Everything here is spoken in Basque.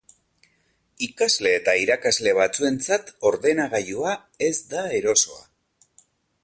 Ikasle eta irakasle batzuentzat ordenagailua ez da erosoa.